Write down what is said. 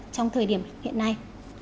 trong thời điểm hiện nay